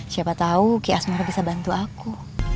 siapa tau ki asmoro bisa bantu aku